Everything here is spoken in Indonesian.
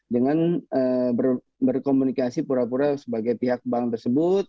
dengan berkomunikasi pura pura sebagai pihak bank tersebut